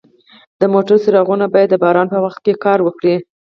د موټر څراغونه باید د باران په وخت کار وکړي.